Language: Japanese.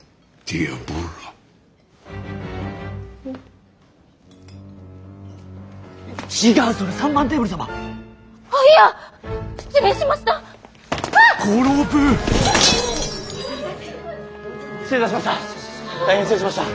大変失礼しました。